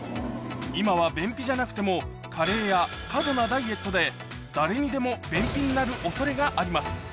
今は便秘じゃなくても加齢や過度なダイエットで誰にでも便秘になる恐れがあります